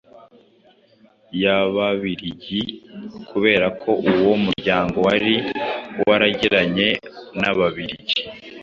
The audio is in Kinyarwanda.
yAbabiligi kubera ko uwo muryango wari waragiranye n'Ababiligi,